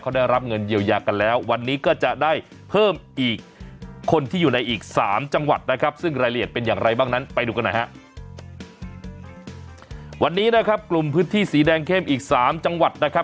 เขาได้รับเงินเยียวยากันแล้ววันนี้ก็จะได้เพิ่มอีกคนที่อยู่ในอีก๓จังหวัดนะครับ